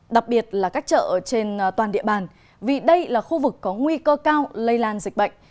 đặc biệt là các chợ trên toàn địa bàn vì đây là khu vực có nguy cơ cao lây lan dịch bệnh